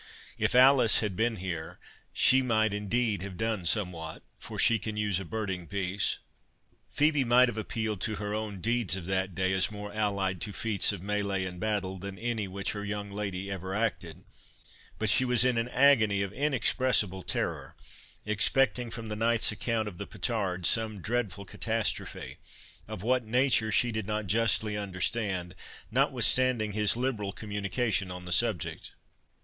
If Alice had been here she might indeed have done somewhat, for she can use a birding piece." Phœbe might have appealed to her own deeds of that day, as more allied to feats of mêlée and battle, than any which her young lady ever acted; but she was in an agony of inexpressible terror, expecting, from the knight's account of the petard, some dreadful catastrophe, of what nature she did not justly understand, notwithstanding his liberal communication on the subject.